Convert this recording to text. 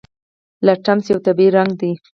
لتمس یو طبیعي رنګ دی.